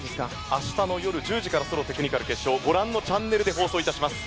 明日の夜１０時からソロテクニカル決勝ご覧のチャンネルで放送いたします。